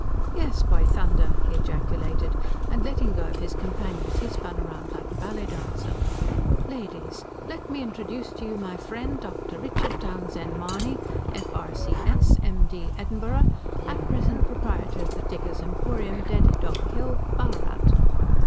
"Yes, by thunder!" he ejaculated; and letting go of his companions, he spun round like a ballet dancer. "Ladies! Let me introduce to you my friend, Dr. Richard Townshend Mahony, F.R.C.S., M.D., Edinburgh, at present proprietor of the 'Diggers' Emporium,' Dead Dog Hill, Ballarat.